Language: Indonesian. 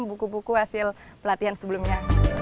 buku buku hasil pelatihan sebelumnya